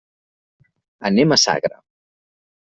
Anem a Sagra.